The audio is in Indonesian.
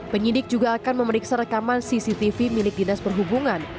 penyidik juga akan memeriksa rekaman cctv milik dinas perhubungan